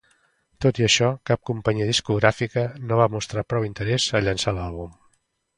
Tot i això, cap companyia discogràfica no va mostrar prou interès a llançar l'àlbum.